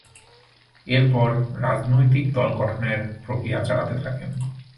এরপর রাজনৈতিক দল গঠনের প্রক্রিয়া চালাতে থাকেন।